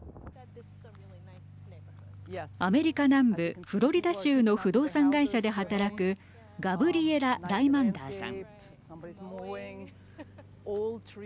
アメリカ南部フロリダ州の不動産会社で働くガブリエラ・ライマンダーさん。